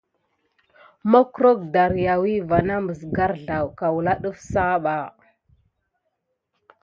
Makkrok dariawi va na məs garzlaw kawla ɗəf sah ɓa.